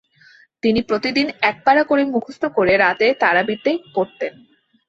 তিনি প্রতিদিন এক পারা করে মুখস্থ করে রাতে তারাবীহতে পড়তেন।